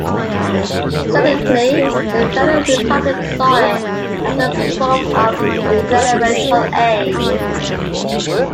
Secondly, the Federal Republic saw it as a form of developmental aid.